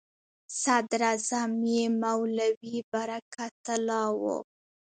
صدراعظم یې مولوي برکت الله و.